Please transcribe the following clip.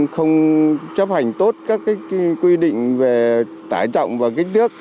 không chấp hành tốt các quy định về tải trọng và kích thước